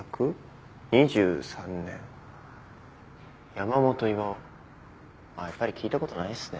山本巌やっぱり聞いたことないっすね。